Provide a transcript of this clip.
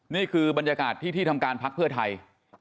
นี่คือบรรยากาศที่ที่ทำการพักเพื่อไทย